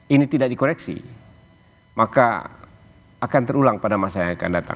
ini tidak dikoreksi maka akan terulang pada masa yang akan datang